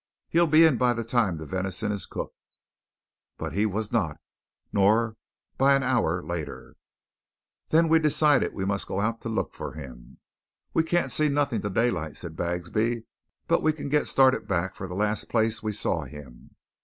He'll be in by the time the venison is cooked." But he was not; nor by an hour later. Then we decided that we must go out to look for him. "We can't see nothin' till daylight," said Bagsby, "but we can get started back for the last place we saw him."